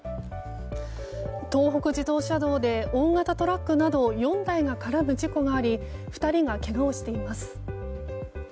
東北自動車道で大型トラックなど４台が絡む事故があり２人がけがをしています。